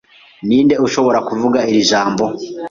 Ninde ushobora kuvuga iri jambo?